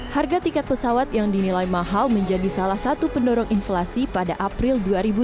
harga tiket pesawat yang dinilai mahal menjadi salah satu pendorong inflasi pada april dua ribu dua puluh